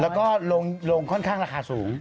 แล้วก็ลงค่อนข้างราคาสูง